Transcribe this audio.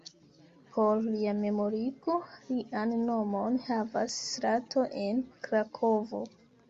Por lia memorigo, lian nomon havas strato en Krakovo.